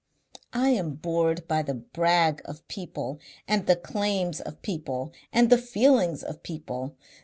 I am bored by the brag of people and the claims of people and the feelings of people.